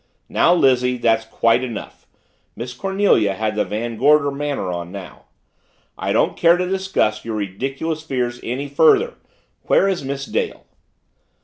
"Now, Lizzie, that's quite enough!" Miss Cornelia had the Van Gorder manner on now. "I don't care to discuss your ridiculous fears any further. Where is Miss Dale?"